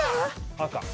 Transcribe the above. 赤？